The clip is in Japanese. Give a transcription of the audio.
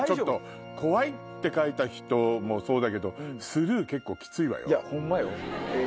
「怖い」って書いた人もそうだけど「スルー」結構きついわよ。ホンマよ。